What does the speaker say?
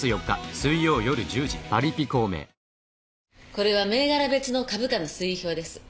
これは銘柄別の株価の推移表です。